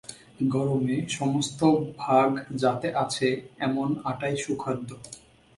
গরমে সমস্ত ভাগ যাতে আছে, এমন আটাই সুখাদ্য।